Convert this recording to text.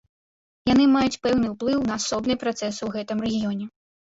Яны маюць пэўны ўплыў на асобныя працэсы ў гэтым рэгіёне.